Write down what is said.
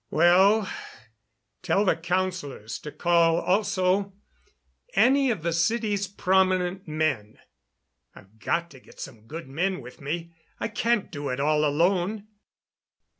"Well, tell the councilors to call also any of the city's prominent men. I've got to get some good men with me. I can't do it all alone."